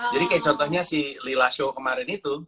jadi kayak contohnya si lila show kemarin itu